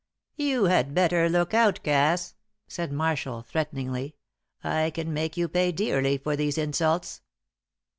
"You had better look out Cass," said Marshall, threateningly. "I can make you pay dearly for these insults."